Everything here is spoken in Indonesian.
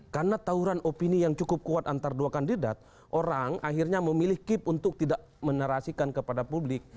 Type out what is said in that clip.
karena tawuran opini yang cukup kuat antara dua kandidat orang akhirnya memilih kip untuk tidak menerasikan kepada publik